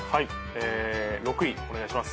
６位お願いします。